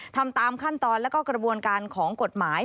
ทำตามขั้นตอนแล้วก็กระบวนการของกฎหมาย